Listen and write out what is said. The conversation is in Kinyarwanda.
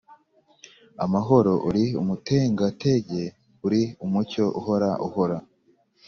Amahoro uri umutengatenge uri umucyo uhora uhora